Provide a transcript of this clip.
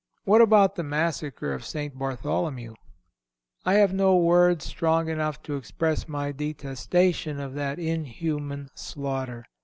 What About The Massacre Of St. Bartholomew? I have no words strong enough to express my detestation of that inhuman slaughter.